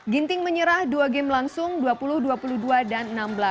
ginting menyerah dua game langsung dua puluh dua puluh dua dan enam belas